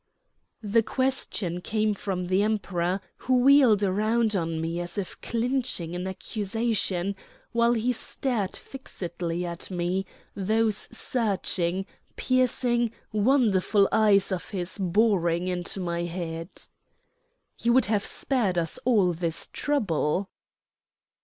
The question came from the Emperor, who wheeled round on me as if clinching an accusation, while he stared fixedly at me, those searching, piercing, wonderful eyes of his boring into my head. "You would have spared us all this trouble."